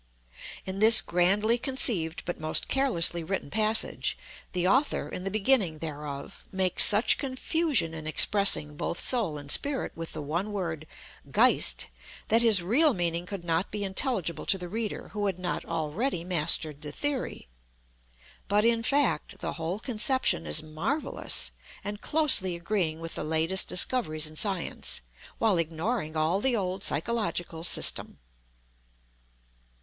In this grandly conceived but most carelessly written passage the author, in the beginning thereof, makes such confusion in expressing both Soul and Spirit with the one word, Geist, that his real meaning could not be intelligible to the reader who had not already mastered the theory. But, in fact, the whole conception is marvelous, and closely agreeing with the latest discoveries in Science, while ignoring all the old psychological system.